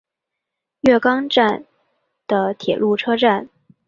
月冈站的铁路车站。